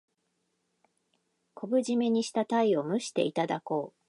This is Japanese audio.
昆布じめにしたタイを蒸していただこう。